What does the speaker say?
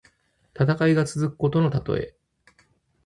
戦いが続くことのたとえ。